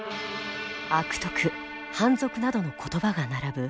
「悪徳」「反俗」などの言葉が並ぶ